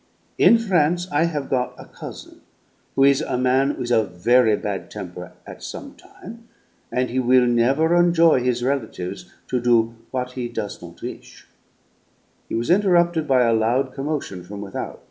In France I have got a cousin who is a man with a very bad temper at some time', and he will never enjoy his relatives to do what he does not wish " He was interrupted by a loud commotion from without.